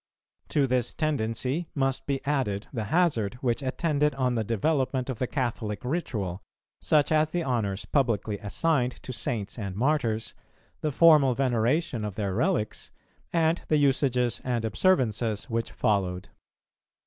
To this tendency must be added the hazard which attended on the development of the Catholic ritual, such as the honours publicly assigned to Saints and Martyrs, the formal veneration of their relics, and the usages and observances which followed.